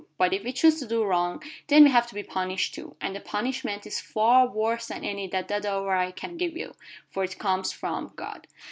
But if we choose to do wrong, then we have to be punished too, and the punishment is far worse than any that dada or I can give you, for it comes from God.